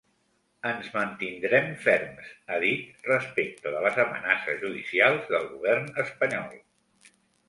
Ens mantindrem ferms, ha dit respecte de les amenaces judicials del govern espanyol.